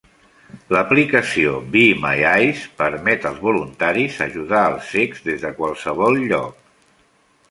L'aplicació Be My Eyes permet als voluntaris ajudar als cecs des de qualsevol lloc.